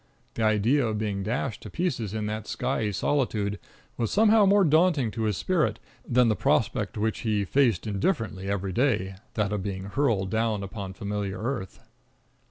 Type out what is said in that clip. The idea of being dashed to pieces in that skyey solitude was somehow more daunting to his spirit than the prospect which he faced indifferently every day that of being hurled down upon familiar earth.